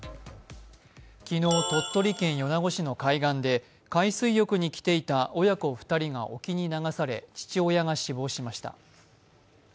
昨日、鳥取県米子市の海岸で海水浴に来ていた親子２人が沖に流され父親が死亡しました。